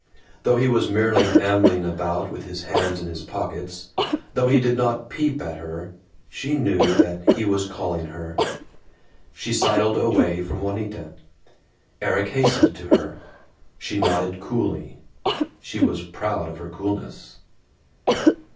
Though he was merely ambling about with his hands in his pockets, though he did not peep at her, she knew that he was calling her. She sidled away from Juanita. Erik hastened to her. She nodded coolly (she was proud of her coolness).